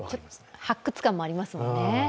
発掘感もありますもんね。